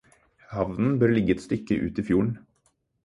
Havnen bør ligge et stykke ute i fjorden.